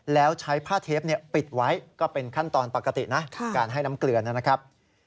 แล้วใช้ผ้าเทปปิดไว้ก็เป็นขั้นตอนปกตินะการให้น้ำเกลือนะครับ